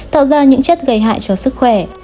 tạo ra những chất gây hại cho sức khỏe